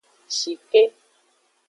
Shike.